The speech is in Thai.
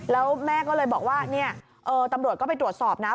แล้วแม่ก็เลยบอกว่าเนี่ยตำรวจก็ไปตรวจสอบนะ